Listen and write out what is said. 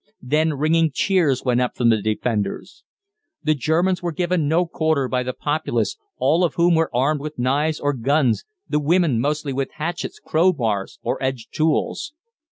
Then ringing cheers went up from the defenders. The Germans were given no quarter by the populace, all of whom were armed with knives or guns, the women mostly with hatchets, crowbars, or edged tools.